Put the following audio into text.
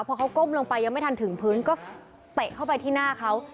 พอเขาก้มลงไปยังไม่ทันถึงพื้นก็เตะเข้าไปที่หน้าเขา